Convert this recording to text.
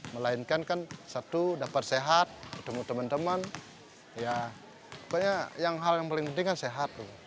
melainkan kan satu dapat sehat ketemu teman teman ya pokoknya hal yang paling penting kan sehat